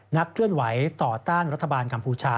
นักเคลื่อนไหวต่อต้านรัฐบาลกัมพูชา